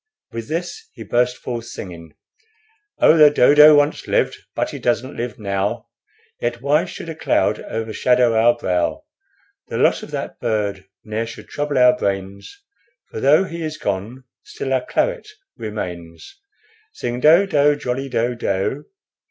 With this he burst forth singing "Oh, the dodo once lived, but he doesn't live now; Yet why should a cloud overshadow our brow? The loss of that bird ne'er should trouble our brains, For though he is gone, still our claret remains. Sing do do jolly do do!